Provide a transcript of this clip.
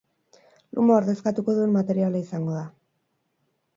Luma ordezkatuko duen materiala izango da.